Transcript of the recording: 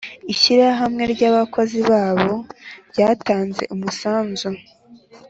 ishyirahamwe ry abakozi babo ryatanze umusanzu